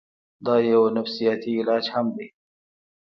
دا يو نفسياتي علاج هم دے